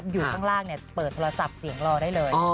อยู่ข้างล่างเปิดโทรศัพท์เสียงรอได้เลย